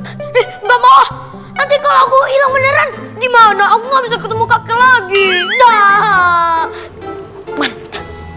hai nggak mau nanti kalau gue ilang beneran gimana aku nggak bisa ketemu kakek lagi dah